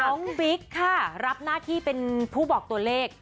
บิ๊กค่ะรับหน้าที่เป็นผู้บอกตัวเลข